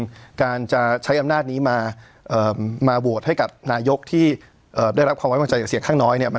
การการจะใช้อำนาจนี้มาโหวตให้กับนายกที่ได้รับความไว้กับเสียงข้างน้อย